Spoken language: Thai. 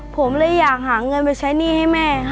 ผมเลยอยากหาเงินไปใช้หนี้ให้แม่ค่ะ